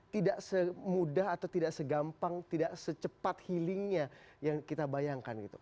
tidak semudah atau tidak segampang tidak secepat healingnya yang kita bayangkan gitu